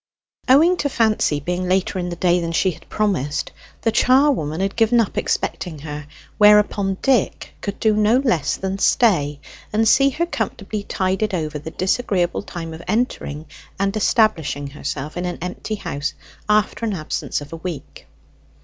Owing to Fancy being later in the day than she had promised, the charwoman had given up expecting her; whereupon Dick could do no less than stay and see her comfortably tided over the disagreeable time of entering and establishing herself in an empty house after an absence of a week.